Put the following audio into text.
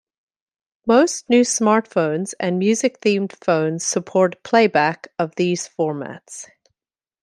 Most new smartphones and music-themed phones support playback of these formats.